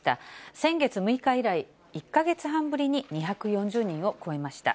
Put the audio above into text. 先月６日以来、１か月半ぶりに２４０人を超えました。